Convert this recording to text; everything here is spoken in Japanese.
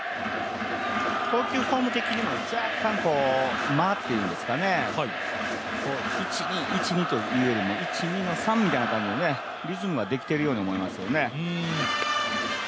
投球フォーム的にも若干、間といいますか、１、２、１、２というよりも１、２の３みたいなリズムができてるような気がしますよね。